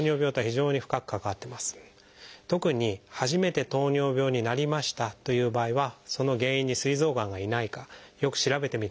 特に初めて糖尿病になりましたという場合はその原因にすい臓がんがいないかよく調べてみたほうがいいと思います。